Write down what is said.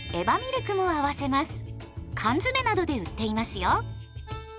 缶詰などで売っていますよ。